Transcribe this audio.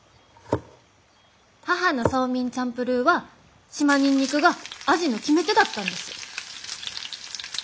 母のソーミンチャンプルーは島ニンニクが味の決め手だったんです。